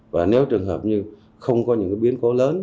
và nếu trường hợp như không có những biến cố lớn